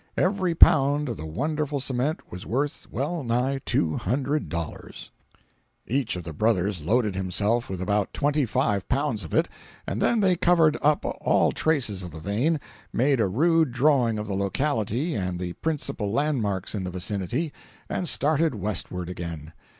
Every pound of the wonderful cement was worth well nigh $200. 260.jpg (59K) Each of the brothers loaded himself with about twenty five pounds of it, and then they covered up all traces of the vein, made a rude drawing of the locality and the principal landmarks in the vicinity, and started westward again.